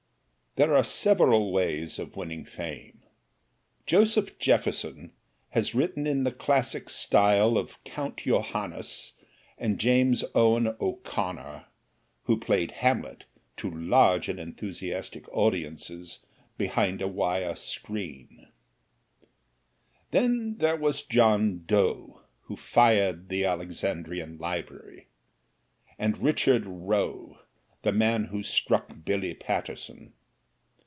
There are several ways of winning fame. Joseph Jefferson has written in classic style of Count Johannes and James Owen O'Connor, who played "Hamlet" to large and enthusiastic audiences, behind a wire screen; then there was John Doe, who fired the Alexandrian Library, and Richard Roe, the man who struck Billy Patterson.